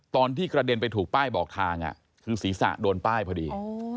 ตอนที่กระเด็นไปถูกป้ายบอกทางคือศีรษะโดนป้ายพอดี